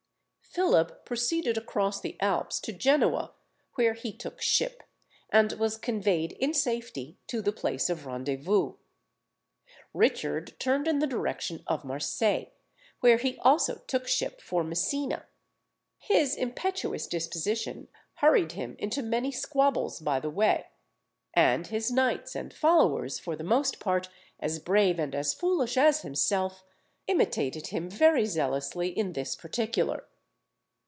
Philip proceeded across the Alps to Genoa, where he took ship, and was conveyed in safety to the place of rendezvous. Richard turned in the direction of Marseilles, where he also took ship for Messina. His impetuous disposition hurried him into many squabbles by the way, and his knights and followers, for the most part as brave and as foolish as himself, imitated him very zealously in this particular.